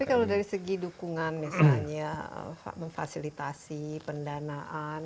tapi kalau dari segi dukungan misalnya memfasilitasi pendanaan